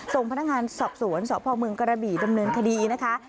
ส่งพนักงานสอบสวนสพเมืองกระบี่ดำเนินคดีนะคะ